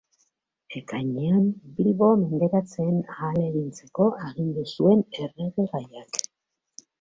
Ekainean Bilbo menderatzen ahalegintzeko agindu zuen Erregegaiak.